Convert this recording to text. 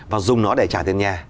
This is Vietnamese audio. và dùng nó để trả tiền nhà